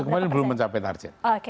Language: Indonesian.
kemarin belum mencapai target